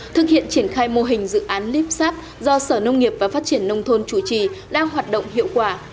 thực hiện triển khai mô hình dự án lipsap do sở nông nghiệp và phát triển nông thôn chủ trì đang hoạt động hiệu quả